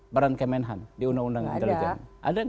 peran kemenhan di undang undang intelijen